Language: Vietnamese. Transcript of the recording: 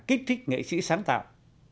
kích thích nghệ sĩ sáng tạo